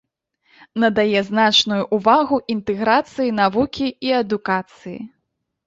Надае значную ўвагу інтэграцыі навукі і адукацыі.